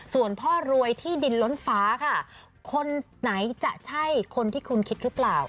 ส่วนพ่อรวยที่ดินล้นฟ้าค่ะคนไหนจะใช่คนที่คุณคิดหรือเปล่า